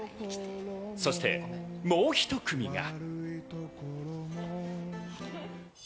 そしてもう１組が。